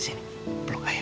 sini belok aja